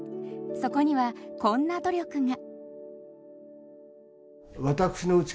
そこにはこんな努力が。